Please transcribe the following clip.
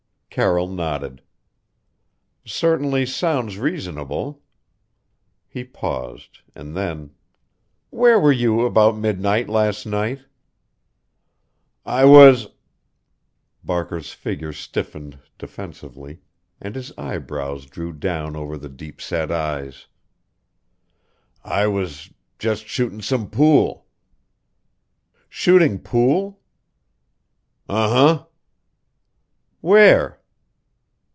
Carroll nodded. "Certainly sounds reasonable." He paused, and then: "Where were you about midnight last night?" "I was" Barker's figure stiffened defensively, and his eyebrows drew down over the deep set eyes "I was just shootin' some pool." "Shooting pool?" "Un huh!" "Where?"